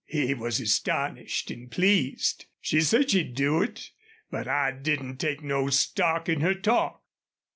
He was astonished and pleased. "She said she'd do it. But I didn't take no stock in her talk....